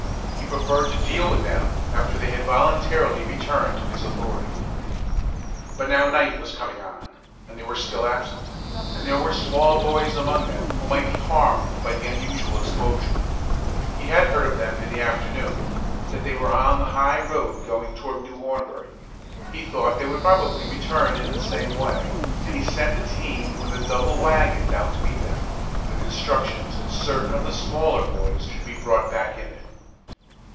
He preferred to deal with them after they had voluntarily returned to his authority. But now night was coming on, and they were still absent, and there were small boys among them who might be harmed by the unusual exposure. He had heard of them in the afternoon, that they were on the high road going toward New Hornbury. He thought they would probably return in the same way, and he sent a team with a double wagon down to meet them, with instructions that certain of the smaller boys should be brought back in it.